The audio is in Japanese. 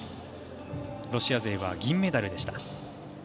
ロシア勢は銀メダルでした。